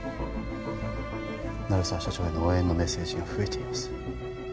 鳴沢社長への応援のメッセージが増えています